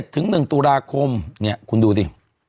ถึง๑ตุลาคมเนี่ยคุณดูดิ